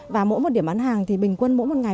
và mỗi một điểm bán hàng thì bình quân mỗi một ngày